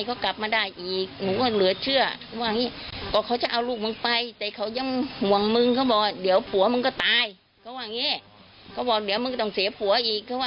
ก็บอกเดี๋ยวมันต้องเสียผัวอีก